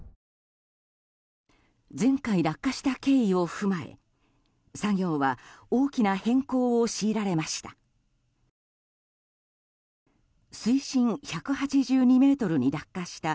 前回落下した経緯を踏まえ作業は大きな変更を強いられました。